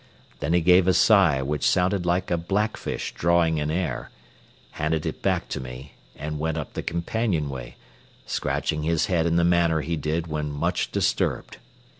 Then he gave a sigh which sounded like a blackfish drawing in air, handed it back to me, and went up the companionway, scratching his head in the manner he did when much disturbed.